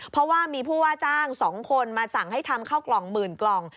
เพราะว่ามีผู้ว่าจ้าง๒คนมาสั่งให้ทำข้าวกล่องหมื่นกล่อง